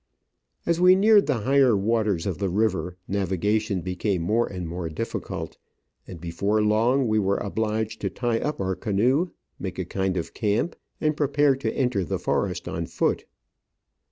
As we neared the higher waters of the river, navigation became more and more difficult, and before long we were obliged to tie up our canoe, make a kind of camp, and prepare to enter the forest on foot.